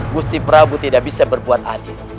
gusti prabu tidak bisa berbuat adil